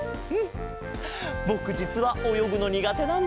ぼくじつはおよぐのにがてなんだ。